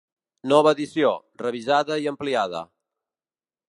Nova edició, revisada i ampliada.